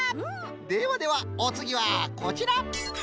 ではではおつぎはこちら！